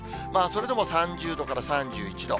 それでも３０度から３１度。